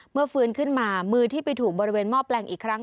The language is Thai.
ฟื้นขึ้นมามือที่ไปถูกบริเวณหม้อแปลงอีกครั้ง